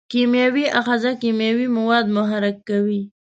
کیمیاوي آخذه کیمیاوي مواد محرک کوي.